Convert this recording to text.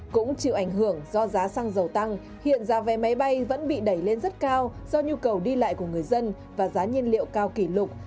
cũng chịu ảnh hưởng do giá xăng dầu tăng hiện giá vé máy bay vẫn bị đẩy lên rất cao do nhu cầu đi lại của người dân và giá nhiên liệu cao kỷ lục